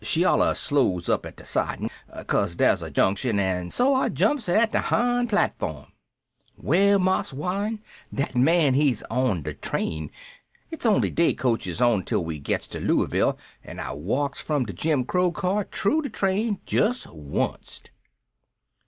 She alluz slows up at de sidin' cause dere's a junction, an' so I jumps 'er, at de hind platform. Well, Marse Warren, dat man he's on de train. It's only day coaches ontel we gets to Lueyville, an' I walks from de Jim Crow car through de train just onct.